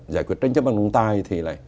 giải quyết tranh chấp bằng trọng tài thì là